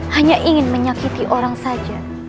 hanya ingin menyakiti orang saja